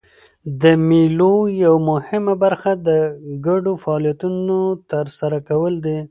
د مېلو یوه مهمه برخه د ګډو فعالیتونو ترسره کول دي.